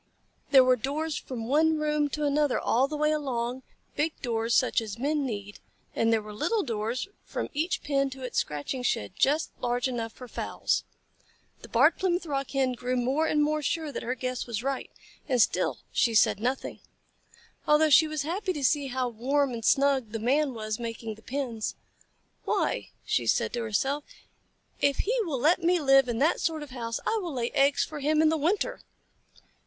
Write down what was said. There were doors from one room to another all the way along, big doors such as Men need, and there were little doors from each pen to its scratching shed just large enough for fowls. The Barred Plymouth Rock Hen grew more and more sure that her guess was right, and still she said nothing, although she was happy to see how warm and snug the Man was making the pens. "Why," she said to herself, "if he will let me live in that sort of house I will lay eggs for him in the winter."